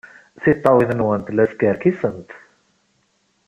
Tiṭṭawin-nwent la skerkisent.